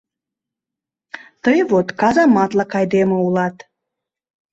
— Тый вот казаматлык айдеме улат!